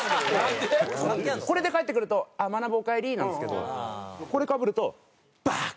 これで帰ってくると「まなぶおかえり」なんですけどこれかぶると「バーカ！」。